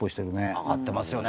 上がってますよね。